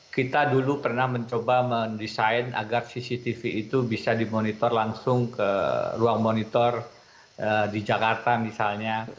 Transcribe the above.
kita dulu pernah mencoba mendesain agar cctv itu bisa dimonitor langsung ke ruang monitor di jakarta misalnya